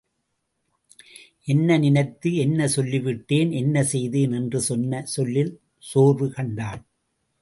என்ன நினைத்து என்ன சொல்லி விட்டேன் என்ன செய்தேன் என்று சொன்ன சொல்லில் சோர்வு கண்டாள்.